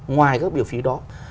ngoài các biểu phí đó